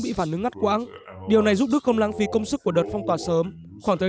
bị phản ứng ngắt quãng điều này giúp đức không lãng phí công sức của đợt phong tỏa sớm khoảng thời